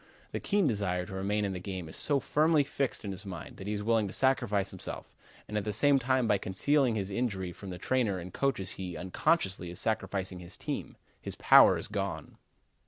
The keen desire to remain in the game is so firmly fixed in his mind that he is willing to sacrifice himself, and at the same time by concealing his injury from the trainer and coaches he, unconsciously, is sacrificing his team; his power is gone.